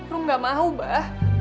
rum gak mau mbah